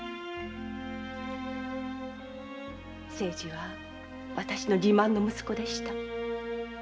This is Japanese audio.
清次は私の自慢の息子でした。